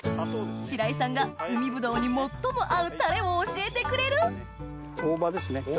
白井さんが海ぶどうに最も合うタレを教えてくれる大葉ですね。